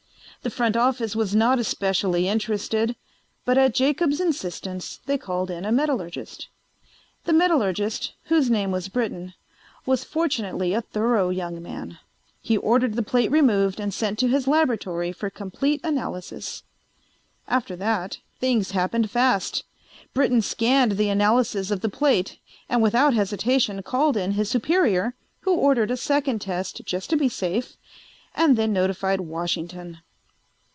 The front office was not especially interested, but at Jacobs' insistence they called in a metallurgist. The metallurgist, whose name was Britton, was fortunately a thorough young man. He ordered the plate removed and sent to his laboratory for complete analysis. After that things happened fast. Britton scanned the analysis of the plate and without hesitation called in his superior who ordered a second test just to be safe, and then notified Washington.